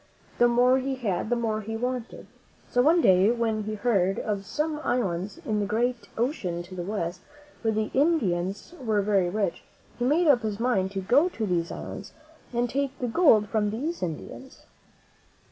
The more he had, the more he wanted; so one day, when he heard of some islands in the great ocean to the West, where the Indians were very rich, he made up his mind to go to these islands and take the gold from these In dians.